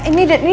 ini dari siapa